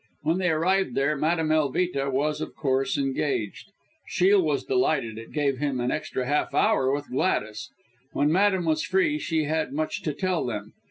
When they arrived there, Madame Elvita was, of course, engaged. Shiel was delighted it gave him an extra half hour with Gladys. When Madame was free, she had much to tell them.